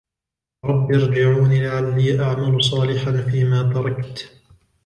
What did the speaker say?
رَبِّ ارْجِعُونِ لَعَلِّي أَعْمَلُ صَالِحًا فِيمَا تَرَكْتُ